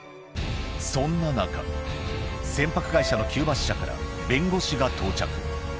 そんな中、船舶会社のキューバ支社から弁護士が到着。